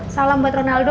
salam buat ronaldo